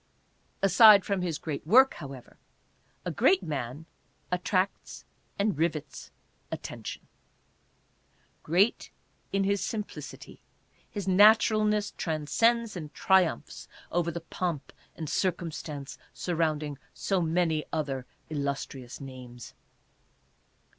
Aside from his great work, however, a great man attracts and rivets attention. Great in his simplicity, his naturalness transcends and triumphs over the pomp and cir cumstance surrounding so many other illustrious names.